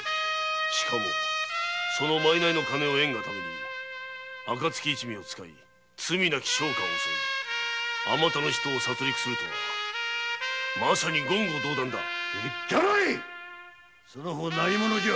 しかもその賄賂の金を得んがため暁一味を使い商家を襲いあまたの人を殺りくするとはまさに言語道断だ黙れその方何者じゃ？